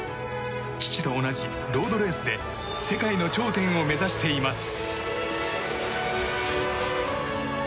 父と同じロードレースで世界の頂点を目指しています。